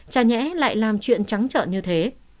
chả nhẽ lại làm chuyện trắng trợn như thế